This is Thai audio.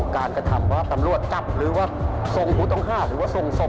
กระทำว่าตำรวจจับหรือว่าส่งผู้ต้องหาหรือว่าส่งศพ